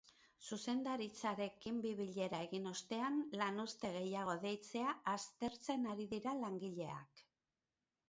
Zuzendaritzarekin bi bilera egin ostean, lanuzte gehiago deitzea aztertzen ari dira langileak.